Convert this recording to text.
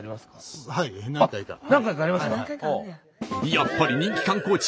やっぱり人気観光地